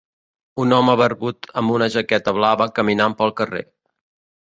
Un home barbut amb una jaqueta blava caminant pel carrer.